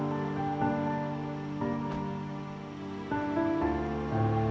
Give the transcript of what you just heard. jangan lupa like share dan subscribe ya